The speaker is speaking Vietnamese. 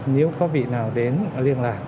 nếu có vị nào đến liên lạc